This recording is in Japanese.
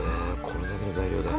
これだけの材料で。